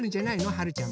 はるちゃんも。